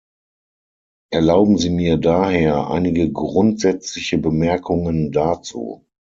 Erlauben Sie mir daher einige grundsätzliche Bemerkungen dazu.